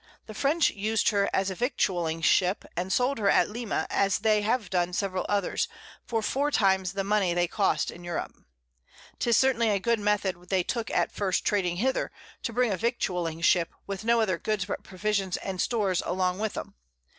The French us'd her as a Victualling Ship, and sold her at Lima, as they have done several others, for 4 times the Money they cost in Europe. 'Tis certainly a good Method they took at first trading hither, to bring a Victualling Ship with no other Goods but Provisions and Stores along with 'em.